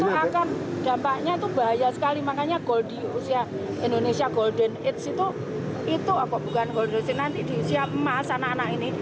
itu akan dampaknya itu bahaya sekali makanya gold di indonesia golden age itu itu apa bukan gold di indonesia emas anak anak ini